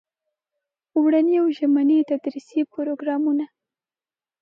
اوړني او ژمني تدریسي پروګرامونه.